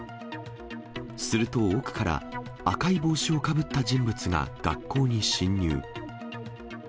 すると奥から、赤い帽子をかぶった人物が学校に侵入。